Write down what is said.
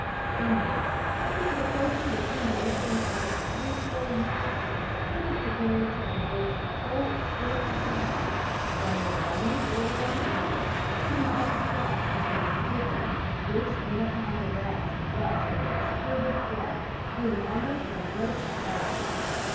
And now, as he was approaching the termination of his three score years, he was prepared to traverse the whole extent of Kentucky, from the Alleghany border on the east, to the mighty flood of the Mississippi, which then upon the west rushed with its turbid flood through an almost unbroken solitude.